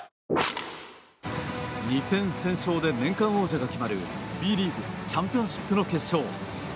２戦先勝で年間王者が決まるＢリーグチャンピオンシップの決勝。